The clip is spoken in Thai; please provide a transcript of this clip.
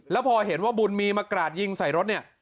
แล้วพอเห็นว่าบุญมีมากราดยิงใส่รถเนี่ย